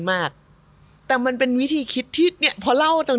ทำให้ตัวเองเป็นแผลจะได้รู้สึกว่าสมจริง